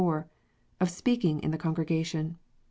Of Speaking in the Congrega tion.